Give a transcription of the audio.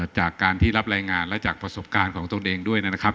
จากการที่รับรายงานและจากประสบการณ์ของตนเองด้วยนะครับ